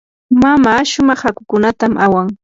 mamaa shumaq hakukunatam awan.